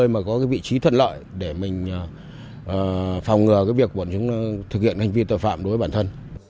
có lời mà có cái vị trí thuận lợi để mình phòng ngừa cái việc của chúng thực hiện hành vi tội phạm đối với bản thân